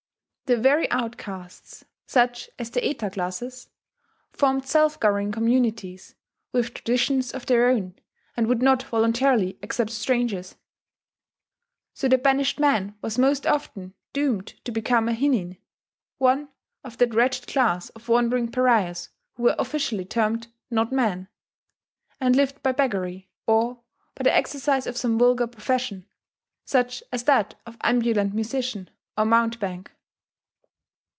The very outcasts such as the Eta classes formed self governing communities, with traditions of their own, and would not voluntarily accept strangers. So the banished man was most often doomed to become a hinin, one of that wretched class of wandering pariahs who were officially termed "not men," and lived by beggary, or by the exercise of some vulgar profession, such as that of ambulant musician or mountebank.